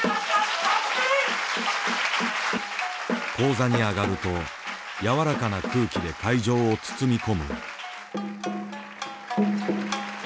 高座に上がると柔らかな空気で会場を包み込む。